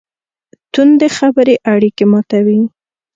توندې خبرې اړیکې ماتوي.